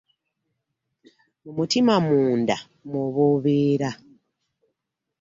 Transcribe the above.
Mu mutima munda mw'oba obeera.